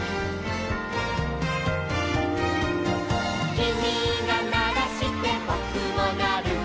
「きみがならしてぼくもなる」